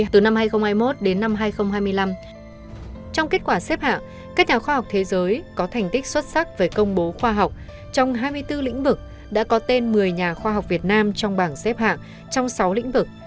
từ năm hai nghìn hai mươi một đến năm hai nghìn hai mươi năm trong kết quả xếp hạng các nhà khoa học thế giới có thành tích xuất sắc về công bố khoa học trong hai mươi bốn lĩnh vực đã có tên một mươi nhà khoa học việt nam trong bảng xếp hạng trong sáu lĩnh vực